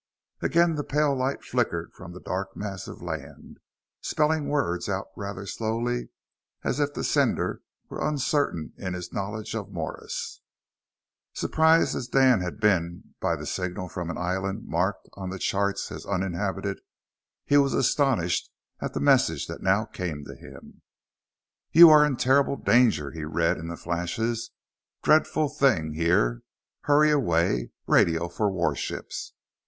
Again the pale light flickered from the dark mass of land, spelling words out rather slowly, as if the sender were uncertain in his knowledge of Morse. Surprised as Dan had been by the signal from an island marked on the charts as uninhabited, he was astonished at the message that now came to him. "You are in terrible danger," he read in the flashes. "Dreadful thing here. Hurry away. Radio for warships.